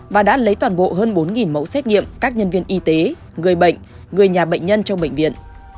và đã lấy toàn bộ hơn bốn mẫu xét nghiệm các nhân viên y tế người bệnh người nhà bệnh nhân trong bệnh viện